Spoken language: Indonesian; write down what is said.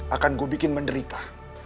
akan gue bikin menderita